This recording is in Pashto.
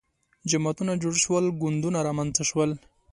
جماعتونه جوړ شول ګوندونه رامنځته شول